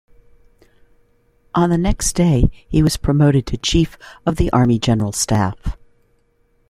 On the next day he was promoted to Chief of the Army General Staff.